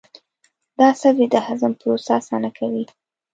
دا سبزی د هضم پروسه اسانه کوي.